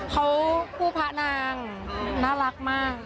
เขาคู่พระนางน่ารักมาก